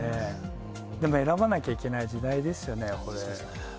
でも選ばなきゃいけない時代ですよね、これ。